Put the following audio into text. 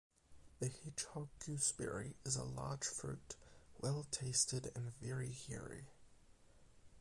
The hedgehog-gooseberry is a large Fruit, well tasted, and very hairy.